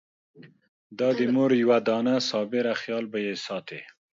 دا د مور یوه دانه صابره خېال به يې ساتي!